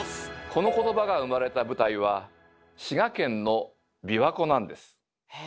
この言葉が生まれた舞台は滋賀県の琵琶湖なんです。